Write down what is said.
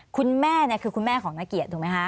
คุณแม่คือคุณแม่ของนักเกียรติถูกไหมคะ